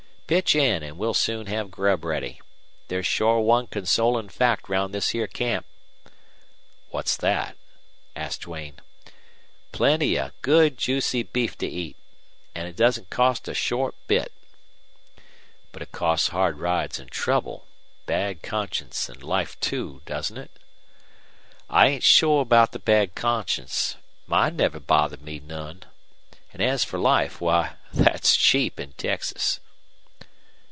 "Pitch in an' we'll soon have grub ready. There's shore one consolin' fact round this here camp." "What's that?" asked Duane. "Plenty of good juicy beef to eat. An' it doesn't cost a short bit." "But it costs hard rides and trouble, bad conscience, and life, too, doesn't it?" "I ain't shore about the bad conscience. Mine never bothered me none. An' as for life, why, thet's cheap in Texas."